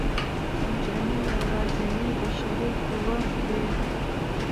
مجرمین یوازینۍ بشري قوه وه.